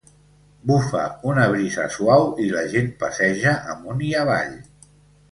Bufa una brisa suau i la gent passeja amunt i avall.